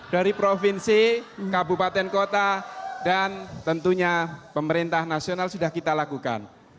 dari provinsi kabupaten kota dan tentunya pemerintah nasional sudah kita lakukan